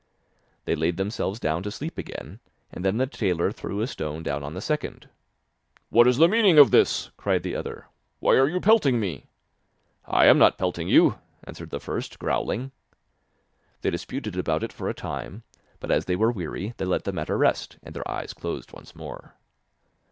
They laid themselves down to sleep again, and then the tailor threw a stone down on the second. 'What is the meaning of this?' cried the other 'Why are you pelting me?' 'I am not pelting you,' answered the first, growling. They disputed about it for a time, but as they were weary they let the matter rest, and their eyes closed once more.